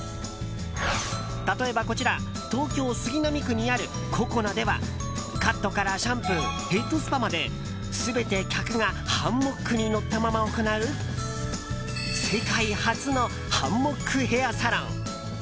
例えば、こちら東京・杉並区にあるＣＯＣＯＮＡではカットからシャンプーヘッドスパまで全て客がハンモックに乗ったまま行う世界初のハンモックヘアサロン。